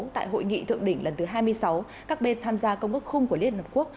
tại hội nghị thượng đỉnh lần thứ hai mươi sáu các bên tham gia công ước khung của liên hợp quốc